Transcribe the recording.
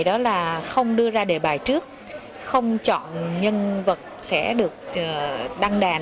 đó là không đưa ra đề bài trước không chọn nhân vật sẽ được đăng đàn